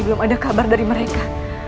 belum ada kabar dari mereka